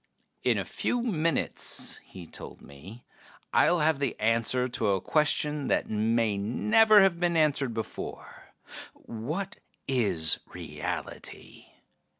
"In a few minutes," he told me, "I'll have the answer to a question that may never have been answered before: what is reality?